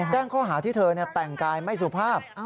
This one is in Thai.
แจ้งข้อหาที่เธอแต่งกายไม่สุภาพ